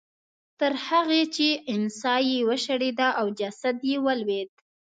تر هغې چې امسا یې وشړېده او جسد یې ولوېد.